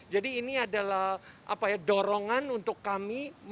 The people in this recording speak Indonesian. jadi ini adalah dorongan untuk kami merilis film film besar kami